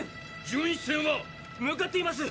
巡視船は⁉向かっています。